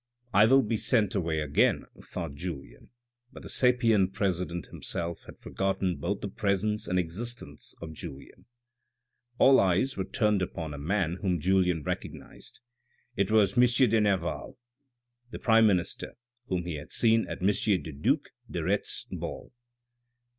" I will be sent away again," thought Julien, but the sapient president himself had forgottoti both the presence and existence of Julien. All eyes were turned upon a man whom Julien recognised. It was M. de Nerval, the prime minister, whom he had seen at M. the due de Retz's ball.